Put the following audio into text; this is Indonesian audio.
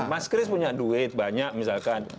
mas chris punya duit banyak misalkan